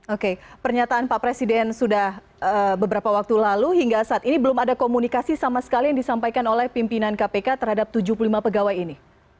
oke pernyataan pak presiden sudah beberapa waktu lalu hingga saat ini belum ada komunikasi sama sekali yang disampaikan oleh pimpinan kpk terhadap tujuh puluh lima pegawai ini